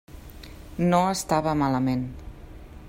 No estava malament.